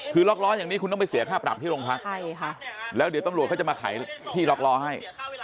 คือล็อกล้ออย่างนี้คุณต้องไปเสียค่าปรับที่โรงพักใช่ค่ะแล้วเดี๋ยวตำรวจเขาจะมาขายที่ล็อกล้อให้